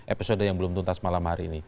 episode yang belum tuntas malam hari ini